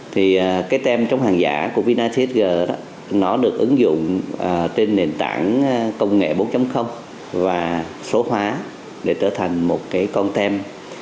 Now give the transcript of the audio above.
thì cái tem chống hàng giả của vinatager đó nó được ứng dụng trên nền tảng công nghệ bốn và số hóa để trở thành một cái con tem